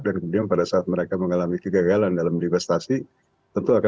dan kemudian pada saat mereka membuka investasi ini mereka bisa mengeluarkan investasi yang mereka keluarkan